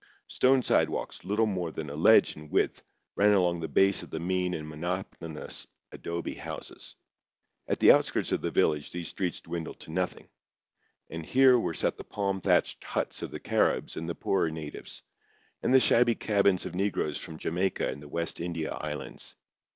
Stone sidewalks, little more than a ledge in width, ran along the base of the mean and monotonous adobe houses. At the outskirts of the village these streets dwindled to nothing; and here were set the palm thatched huts of the Caribs and the poorer natives, and the shabby cabins of negroes from Jamaica and the West India islands.